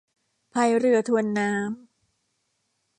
พายเรือทวนน้ำ